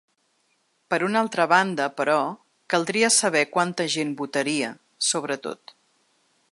Per una altra banda, però, caldria saber quanta gent votaria, sobretot.